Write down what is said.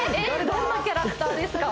どんなキャラクターですか？